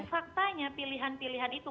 tentunya pilihan pilihan itu